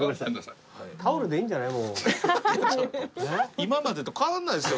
今までと変わんないですよ